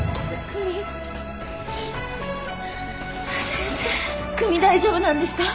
先生久美大丈夫なんですか？